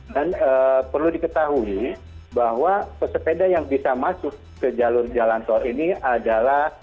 dan perlu diketahui bahwa pesepeda yang bisa masuk ke jalur jalan tol ini adalah